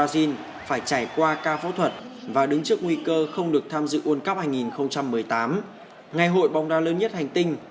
xin chào và hẹn gặp lại